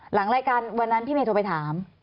หลังรายการวันนั้นพี่เมย์โทรไปถาม